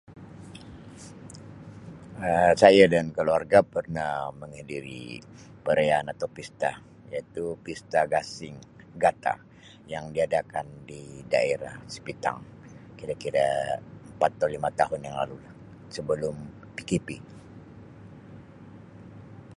Um Saya dan keluarga pernah menghidiri perayaan atau pesta iaitu pesta gasing gata yang di adakan di daerah Sipitang kira-kira empat atau lima tahun yang lalu lah sebelum PKP.